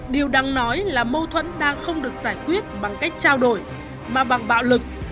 điều đáng nói là mâu thuẫn đang không được giải quyết bằng cách trao đổi mà bằng bạo lực